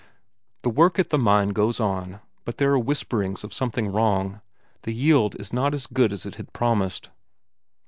The work at the mine goes on, but there are whisperings of something wrong, the yield is not as good as it had promised.